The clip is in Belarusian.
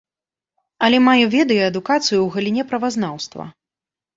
Але маю веды і адукацыю ў галіне правазнаўства.